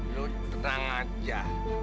lo tenang aja